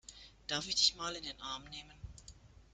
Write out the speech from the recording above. Darf ich dich mal in den Arm nehmen?